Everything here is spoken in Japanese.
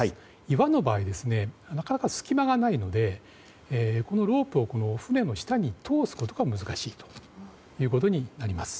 岩の場合なかなか隙間がないのでこのロープを船の下に通すことが難しいということになります。